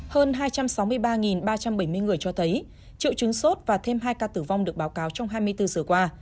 hơn hai trăm sáu mươi ba ba trăm bảy mươi người cho thấy triệu chứng sốt và thêm hai ca tử vong được báo cáo trong hai mươi bốn giờ qua